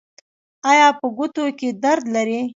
ایا په ګوتو کې درد لرئ؟